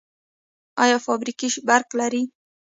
آیا فابریکې برق لري؟